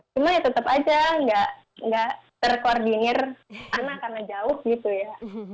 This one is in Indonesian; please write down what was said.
cuma ya tetap aja nggak terkoordinir anak karena jauh gitu ya